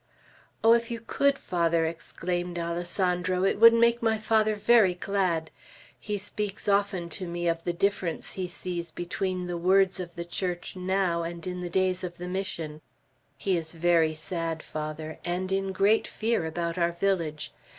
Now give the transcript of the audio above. "Oh, if you could, Father," exclaimed Alessandro, "it would make my father very glad! He speaks often to me of the difference he sees between the words of the Church now and in the days of the Mission. He is very sad, Father, and in great fear about our village.